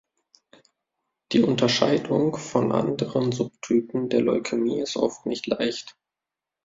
Die Unterscheidung von anderen Subtypen der Leukämie ist oft nicht leicht.